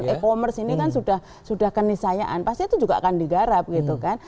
e commerce ini kan sudah kenisayaan pasti itu juga akan digarap gitu kan